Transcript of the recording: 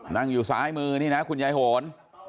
นั่งอยู่ซ้ายมือนี่นะคุณยายโหน